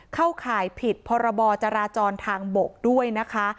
ข่ายผิดพรบจราจรทางบกด้วยนะคะ